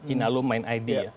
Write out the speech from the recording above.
inalum main id